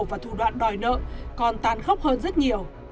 và thủ đoạn đòi nợ còn tàn khốc hơn rất nhiều